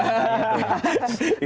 itu sudah biasa